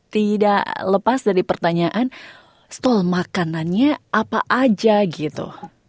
tidak lepas dari pertanyaan setelah makanannya apa aja gitu